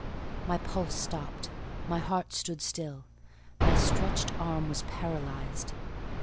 My pulse stopped: my heart stood still; my stretched arm was paralysed.